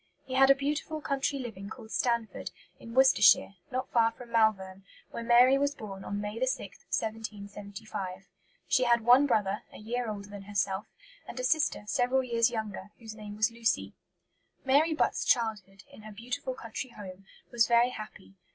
He had a beautiful country living called Stanford, in Worcestershire, not far from Malvern, where Mary was born on May 6, 1775. She had one brother, a year older than herself, and a sister several years younger, whose name was Lucy. Mary Butt's childhood, in her beautiful country home, was very happy.